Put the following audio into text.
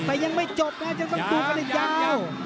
แต่ยังไม่จบนะยังต้องดูกันอีกยาว